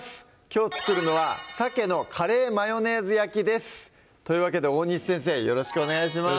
きょう作るのは「鮭のカレーマヨネーズ焼き」ですというわけで大西先生よろしくお願いします